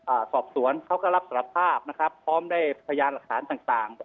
อ่าสอบสวนเขาก็รับสารภาพนะครับพร้อมได้พยานหลักฐานต่างต่าง